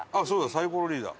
サイコロリーダー。